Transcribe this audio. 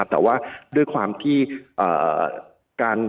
แต่ว่าด้วยความที่